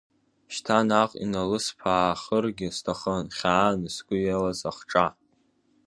Шьҭа наҟ иналысԥаахыргьы сҭахын хьааны сгәы иалаз ахҿа.